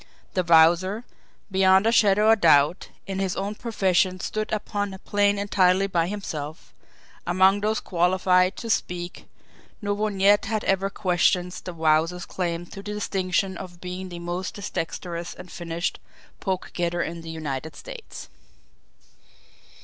The Wowzer, beyond a shadow of doubt, in his own profession stood upon a plane entirely by himself among those qualified to speak, no one yet had ever questioned the Wowzer's claim to the distinction of being the most dexterous and finished "poke getter" in the United States!